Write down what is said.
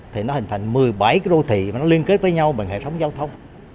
thì nó hình thành một mươi bảy cái đô thị mà nó liên kết với nhau bằng hệ thống giao thông